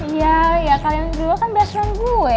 iya ya kalian berdua kan biasen gue